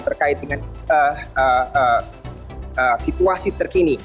terkait dengan situasi terkini